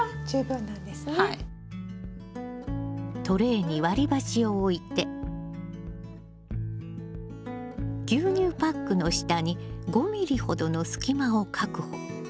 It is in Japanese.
トレーに割り箸を置いて牛乳パックの下に５ｍｍほどの隙間を確保。